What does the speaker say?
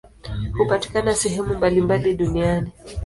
Hupatikana sehemu mbalimbali duniani.